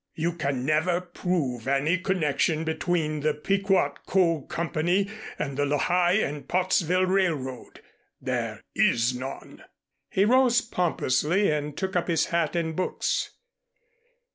You can never prove any connection between the Pequot Coal Company and the Lehigh and Pottsville Railroad. There is none." He rose pompously and took up his hat and books.